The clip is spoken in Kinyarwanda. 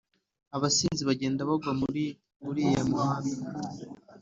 abasinzi bajyenda bagwa muri uriya muhanda